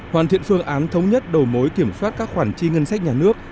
hoàn thiện phương án thống nhất đầu mối kiểm soát các khoản chi ngân sách nhà nước